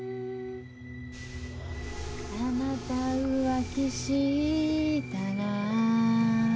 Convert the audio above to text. あなた浮気したら